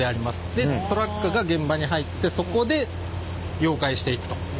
でトラックが現場に入ってそこで溶解していくと。